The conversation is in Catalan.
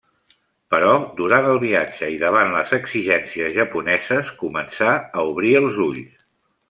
Però durant el viatge, i davant les exigències japoneses, comença a obrir els ulls.